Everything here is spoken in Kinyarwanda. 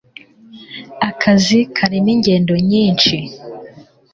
Akazi karimo ingendo nyinshi.